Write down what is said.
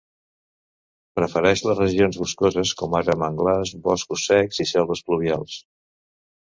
Prefereix les regions boscoses com ara manglars, boscos secs i selves pluvials.